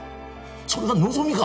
それが望みか？